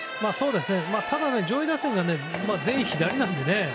ただ、上位打線が全員左なのでね。